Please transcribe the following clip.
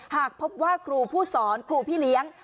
หากพบว่าครูผู้สอนครูพี่เลี้ยง